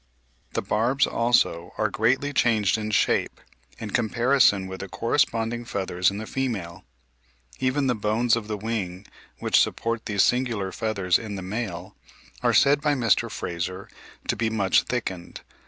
The barbs also are greatly changed in shape, in comparison with the corresponding feathers (d, e, f) in the female. Even the bones of the wing, which support these singular feathers in the male, are said by Mr. Fraser to be much thickened.